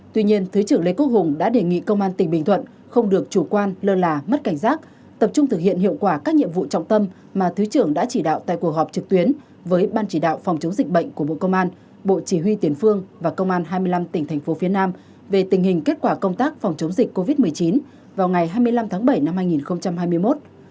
tuy nhiên thứ trưởng lê quốc hùng đã đề nghị công an tỉnh bình thuận không được chủ quan lơ là mất cảnh giác tập trung thực hiện hiệu quả các nhiệm vụ trọng tâm mà thứ trưởng đã chỉ đạo tại cuộc họp trực tuyến với ban chỉ đạo phòng chống dịch bệnh của bộ công an bộ chỉ huy tiền phương và công an hai mươi năm tỉnh thành phố phía nam về tình hình kết quả công tác phòng chống dịch covid một mươi chín vào ngày hai mươi năm tháng bảy năm hai nghìn hai mươi một